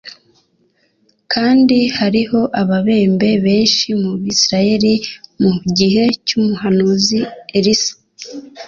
Kandi hariho ababembe benshi mu Bisiraeli mu gihe cy'umuhanuzi Elisa,